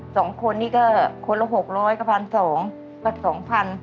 สองคนนี้ก็คนละหกร้อยกับพันสองก็สองพัน